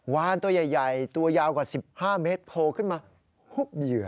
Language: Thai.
วานตัวใหญ่ตัวยาวกว่า๑๕เมตรโผล่ขึ้นมาหุบเหยื่อ